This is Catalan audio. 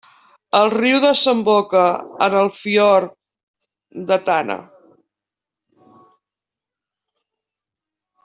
El riu desemboca en el fiord de Tana.